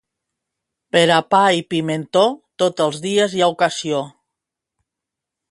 Per a pa i pimentó, tots els dies hi ha ocasió.